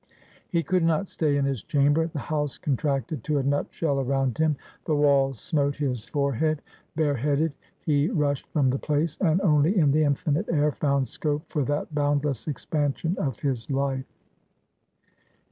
He could not stay in his chamber: the house contracted to a nut shell around him; the walls smote his forehead; bare headed he rushed from the place, and only in the infinite air, found scope for that boundless expansion of his life.